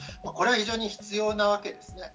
これは非常に必要なわけです。